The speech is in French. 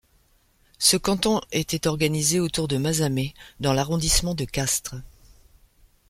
Ce canton était organisé autour de Mazamet dans l'arrondissement de Castres.